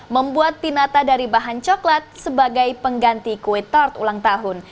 membuat pinata dari bahan coklat sebagai pengganti kue tart ulang tahun